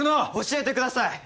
教えてください！